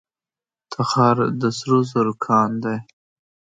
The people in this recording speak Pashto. تخار د سرو زرو کان لري